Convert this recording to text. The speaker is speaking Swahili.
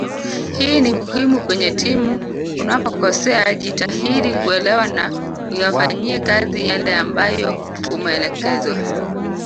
Hii ni muhimu kwenye timu unapokosea jitahidi kuelewa na uyafanyie kazi yale ambayo umeelekezwa